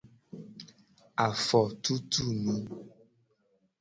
Afotutunu.